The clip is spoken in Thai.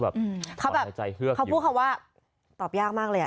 พี่เขาพูดณึงอยากมากเลย